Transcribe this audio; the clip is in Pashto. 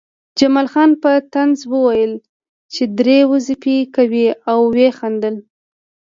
جمال خان په طنز وویل چې درې وظیفې کوې او ویې خندل